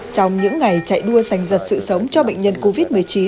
trong những ngày chạy đua dành giật sự sống cho bệnh nhân covid một mươi chín